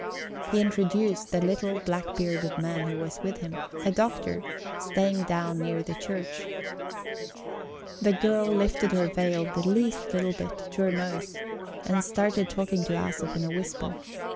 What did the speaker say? He introduced the little black bearded man who was with him; a doctor, staying down near the church. The girl lifted her veil the least little bit, to her nose, and started talking to Æsop in a whisper.